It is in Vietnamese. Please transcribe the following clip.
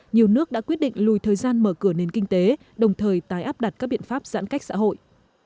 nhiều nước đã quyết định lùi thời gian mở cửa nền kinh tế đồng thời tái áp đặt các biện pháp giãn cách xã hội